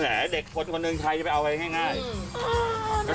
แหมเด็กคนนึงใครจะไปเอาไปง่าย